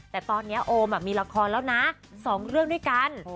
แต่ตอนนี้โอมมีละครแล้วนะ๒เรื่องด้วยกัน